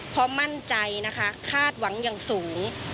เพราะมั่นใจนะคะคาดหวังอย่างสูง